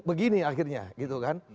begini akhirnya gitu kan